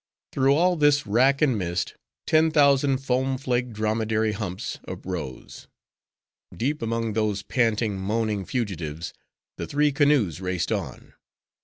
Through all this rack and mist, ten thousand foam flaked dromedary humps uprose. Deep among those panting, moaning fugitives, the three canoes raced on.